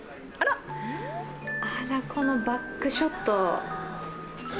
あら、このバックショット